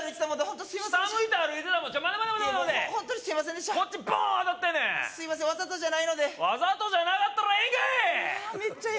当たってんねんすいませんわざとじゃないのでわざとじゃなかったらいいんかい